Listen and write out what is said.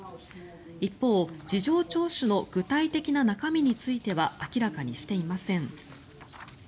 一方、事情聴取の具体的な中身については明らかにしていません。